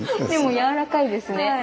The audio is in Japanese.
でもやわらかいですね。